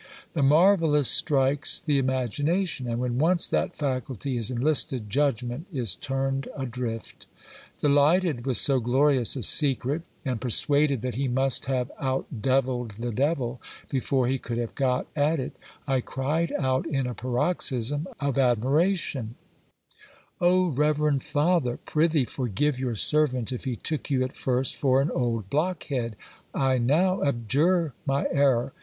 The marvellous strikes the imagination ; and when once that faculty is en ed, judgment is turned adrift Delighted with so glorious a secret and per GIL BLAS. suaded that he must have out deviled the devil before he could have got at it, I cried out in a paroxysm of admiration : O reverend father ! prythee forgive your servant if he took you at first for an old blockhead. I now abjure my error.